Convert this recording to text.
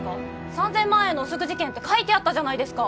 ３０００万円のお食事券って書いてあったじゃないですか。